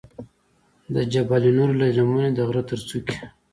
د جبل نور له لمنې د غره تر څوکې.